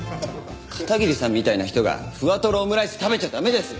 片桐さんみたいな人がふわとろオムライス食べちゃ駄目です！